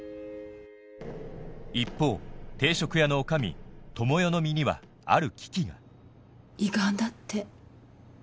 一方定食屋の女将智代の身にはある危機が胃がんだって。